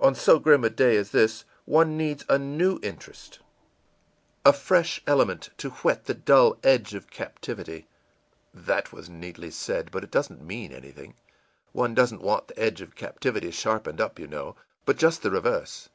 On so grim a day as this, one needs a new interest, a fresh element, to whet the dull edge of captivity. That was very neatly said, but it doesn't mean anything. One doesn't want the edge of captivity sharpened up, you know, but just the reverse.